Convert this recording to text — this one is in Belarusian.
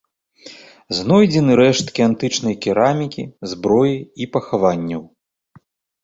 Знойдзены рэшткі антычнай керамікі, зброі і пахаванняў.